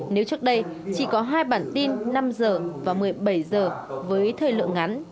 nếu trước đây chỉ có hai bản tin năm h và một mươi bảy h với thời lượng ngắn